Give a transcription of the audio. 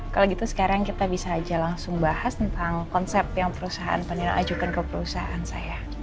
kalau gitu sekarang kita bisa aja langsung bahas tentang konsep yang perusahaan penilai ajukan ke perusahaan saya